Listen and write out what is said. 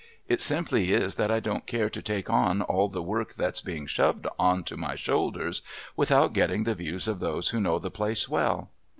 It simply is that I don't care to take on all the work that's being shoved on to my shoulders without getting the views of those who know the place well."